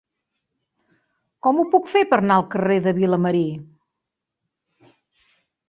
Com ho puc fer per anar al carrer de Vilamarí?